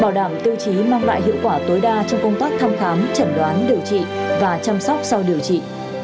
bảo đảm tiêu chí mang lại hiệu quả tối đa trong công tác thăm khám chẩn đoán điều trị và chăm sóc sau điều trị